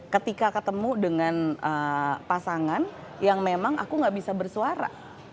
ketika ketemu dengan pasangan yang memang aku nggak bisa bersuara